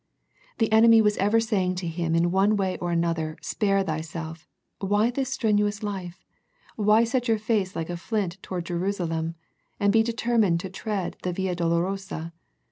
The enemy was ever saying to Him in one way or another Spare Thyself, why this strenuous life, why set your face like a flint toward Jerusa lem, and be determined to tread the via dolo rosa?